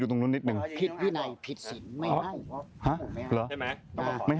ต้องมาขอที่นี่